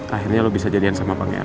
akhirnya lo bisa jadian sama pangeran